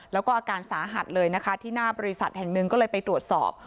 แล้วก็อาการสาหัสเลยนะคะที่หน้าบริษัทแห่งหนึ่งก็เลยไปตรวจสอบ